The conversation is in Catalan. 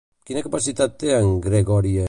Quina capacitat té en Gregóire?